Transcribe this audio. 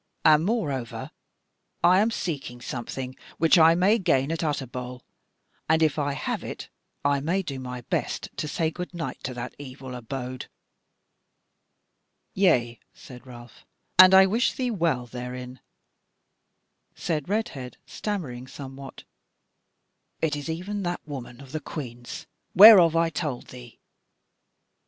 and moreover I am seeking something which I may gain at Utterbol, and if I have it, I may do my best to say good night to that evil abode." "Yea," said Ralph, "and I wish thee well therein." Said Redhead, stammering somewhat; "It is even that woman of the Queen's whereof I told thee.